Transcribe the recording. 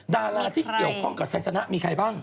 ดาราที่เกี่ยวข้องกับไซสนะมีใครบ้าง